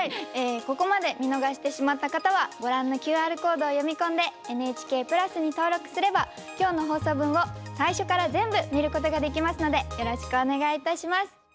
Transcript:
ここまで見逃してしまった方はご覧のＱＲコードを読み込んで「ＮＨＫプラス」に登録すれば今日の放送分を最初から全部見ることができますのでよろしくお願いいたします。